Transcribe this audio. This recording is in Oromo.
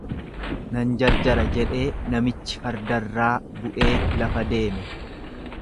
Nan jarjara jedhee namichi fardarraa bu'ee lafa deeme.